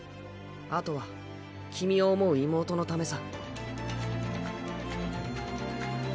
あとは君を思う妹のためさ。